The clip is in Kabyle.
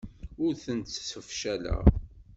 Ur tent-ssefcaleɣ.